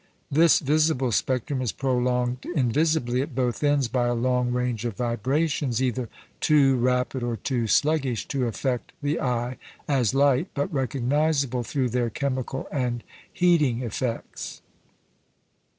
This visible spectrum is prolonged invisibly at both ends by a long range of vibrations, either too rapid or too sluggish to affect the eye as light, but recognisable through their chemical and heating effects.